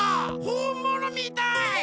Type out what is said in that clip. ほんものみたい！